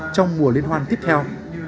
trong mùa liên hoan tiếp theo